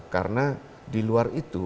karena diluar itu